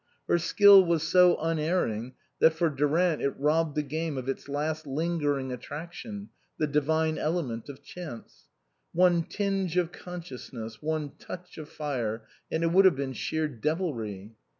Her skill was so un erring that for Durant it robbed the game of its last lingering attraction, the divine element of chance. One tinge of consciousness, one touch of fire, and it would have been sheer devilry.